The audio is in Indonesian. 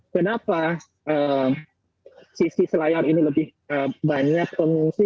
kenapa sisi selayar ini lebih banyak pengungsi